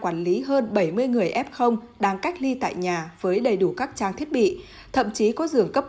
quản lý hơn bảy mươi người f đang cách ly tại nhà với đầy đủ các trang thiết bị thậm chí có dường cấp